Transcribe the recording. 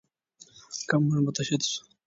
که موږ متحد شو.